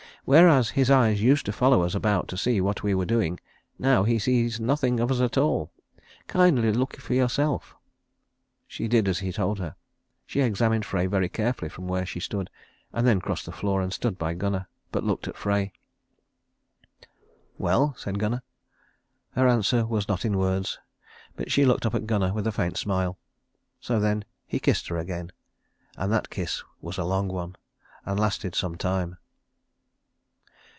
Whereas his eyes used to follow us about to see what we were doing, now he sees nothing of us at all. Kindly look for yourself." She did as he told her. She examined Frey very carefully from where she stood and then crossed the floor and stood by Gunnar, but looked at Frey. "Well?" said Gunnar. Her answer was not in words, but she looked up at Gunnar with a faint smile. So then he kissed her again, and that kiss was a long one and lasted some time.